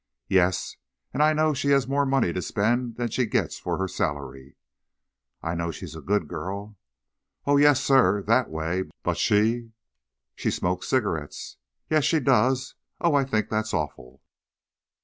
"Yes: and I know she has more money to spend than she gets for a salary." "I know she's a good girl." "Oh, yes, sir, that way. But she " "She smokes cigarettes." "Yes; she does. Oh, I think that's awful."